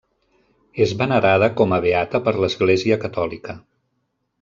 És venerada com a beata per l'Església catòlica.